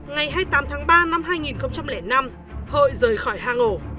ngày hai mươi tám tháng ba năm hai nghìn năm hội rời khỏi hang ổ